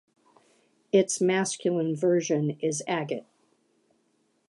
Its masculine version is Agat.